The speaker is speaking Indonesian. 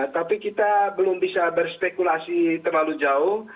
tapi kita belum bisa berspekulasi terlalu jauh